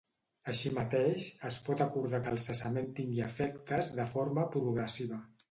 Així mateix, es pot acordar que el cessament tingui efectes de forma progressiva.